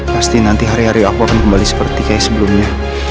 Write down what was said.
pasti nanti hari hari aku akan kembali seperti kayak sebelumnya